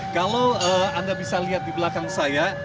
kalau anda bisa lihat di belakang saya